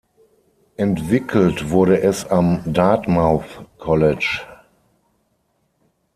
Entwickelt wurde es am Dartmouth College.